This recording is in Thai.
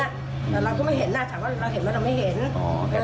แต่เราก็ไม่เห็นนะถามว่าเราเห็นไหมเราไม่เห็น